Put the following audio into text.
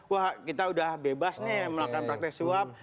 wah kita udah bebas nih melakukan praktek suap